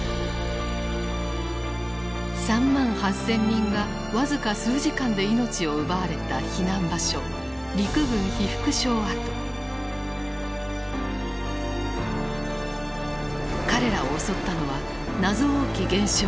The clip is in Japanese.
３万８，０００人が僅か数時間で命を奪われた避難場所彼らを襲ったのは謎多き現象